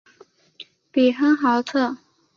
比亨豪特。